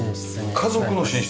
家族の寝室？